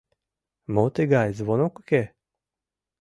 Мо тыгай, звонок уке?